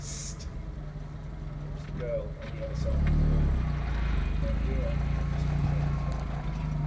"Sssssst!" It was the girl, on the other side of the wall. "I'm here," whispered Drake.